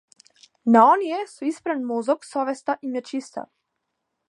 На оние со испран мозок совеста им е чиста.